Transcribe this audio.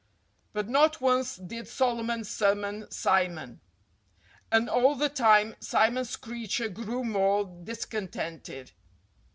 But not once did Solomon's summon Simon. And all the time Simon Screecher grew more discontented.